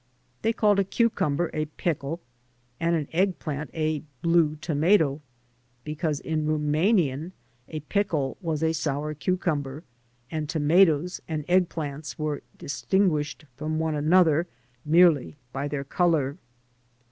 They called a cucumber a "pickle" and an eggplant a "blue tomato" because in Rumanian a pickle was a sour cucumber and tomatoes and eggplants were distinguished from one another merely by their color.